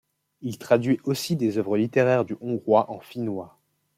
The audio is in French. Il traduit aussi des œuvres littéraires du hongrois en finnois.